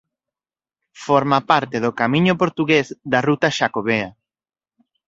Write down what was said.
Forma parte do Camiño portugués da Ruta Xacobea.